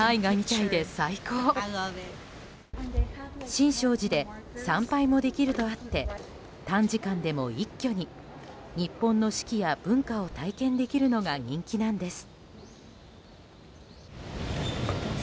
新勝寺で参拝もできるとあって短時間でも一挙に日本の四季や文化を体験できるのが人気なんです。